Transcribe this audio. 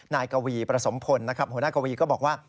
นายกวีประสมพลนะครับหัวหน้ากวีก็บอกว่า